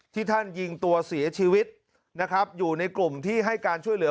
ท่านยิงตัวเสียชีวิตนะครับอยู่ในกลุ่มที่ให้การช่วยเหลือ